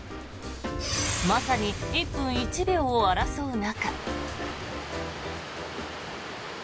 まさに１分１秒を争う中。